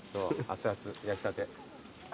熱々焼きたて。